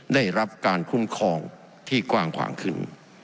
ได้รับการคุ้มครองที่กว้างขวางขึ้น